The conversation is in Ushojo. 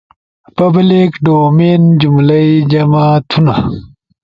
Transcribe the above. پبلک ڈومین، جملئی جمع تھونا